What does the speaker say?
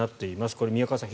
これ、宮川さん